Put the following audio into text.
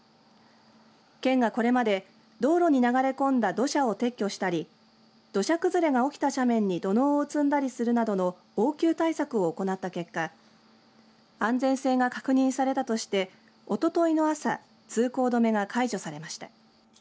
県がこれまでに道路に流れ込んだ土砂を撤去したり土砂崩れが起きた斜面に土のうを積んだりするなどの応急対策を行った結果安全性が確認されたとしておとといの朝通行止めが解除されました。